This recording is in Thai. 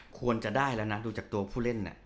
ควรจะได้แล้วนะดูจากตัวผู้เล่น